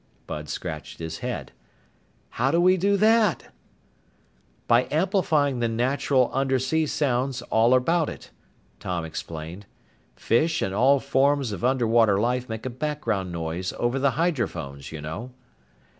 Bud scratched his head. "How do we do that?" "By amplifying the natural undersea sounds all about it," Tom explained. "Fish and all forms of underwater life make a background noise over the hydrophones, you know."